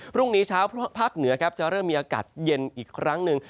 พรุ่งนี้เช้าภาคเหนือครับจะเริ่มมีอากาศเย็นอีกครั้งหนึ่ง